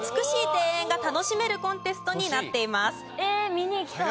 見に行きたい！